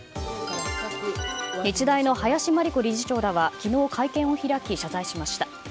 日大の林真理子理事長らは昨日会見を開き謝罪しました。